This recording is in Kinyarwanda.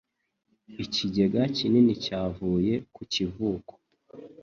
Ikigega kinini cyavuye ku kivuko.